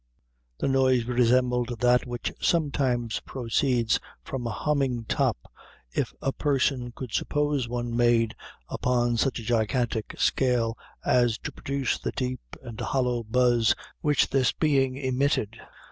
The noise resembled that which sometimes proceeds from a humming top, if a person could suppose one made upon such a gigantic scale as to produce the deep and hollow buzz which this being emitted.